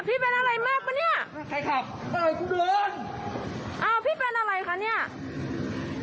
พี่เป็นอะไรมากป่ะเนี้ยใครขับเอ้าพี่เป็นอะไรคะเนี้ย